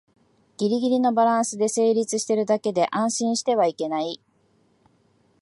ギリギリのバランスで成立してるだけで安心してはいけない